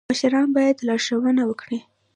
مشران باید لارښوونه وکړي